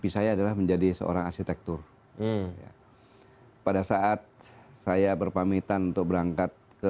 saya menegaskan pula